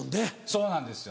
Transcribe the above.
そうなんですよ。